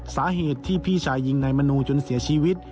สาเหตุที่พี่ชายยิงนายมนูจนเสียชีวิต